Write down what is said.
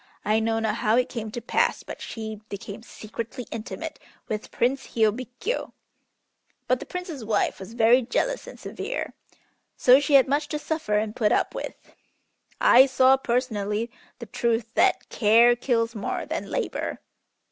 I know not how it came to pass, but she became secretly intimate with Prince Hiôbkiô. But the Prince's wife was very jealous and severe, so she had much to suffer and put up with. I saw personally the truth that 'care kills more than labor.'"